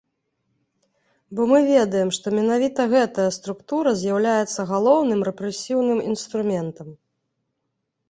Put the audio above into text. Бо мы ведаем, што менавіта гэтая структура з'яўляецца галоўным рэпрэсіўным інструментам.